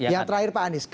yang terakhir pak anies